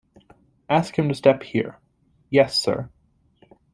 ‘Ask him to step here.’ ‘Yes, sir.’